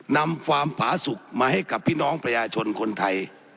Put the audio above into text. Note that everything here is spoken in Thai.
นำความผาสุขมาให้กับพี่น้องประชาชนคนไทย